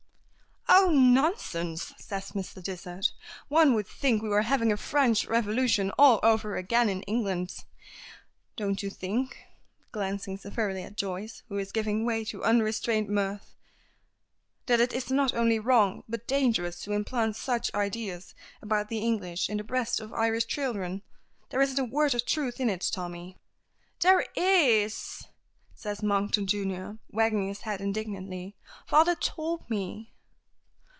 "Oh, nonsense!" says Mr. Dysart. "One would think we were having a French Revolution all over again in England. Don't you think," glancing severely at Joyce, who is giving way to unrestrained mirth, "that it is not only wrong, but dangerous, to implant such ideas about the English in the breasts of Irish children? There isn't a word of truth in it, Tommy." "There is!" says Monkton, junior, wagging his head indignantly. "Father told me."